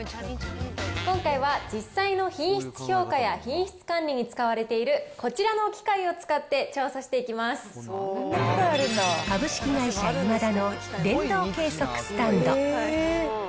今回は実際の品質評価や品質管理に使われているこちらの機械株式会社イマダの電動計測スタンド。